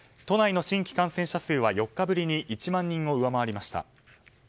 都内の新規感染者数は４日ぶりに１万人を上回りました。